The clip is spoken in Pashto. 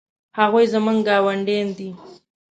هغوی زموږ ګاونډي دي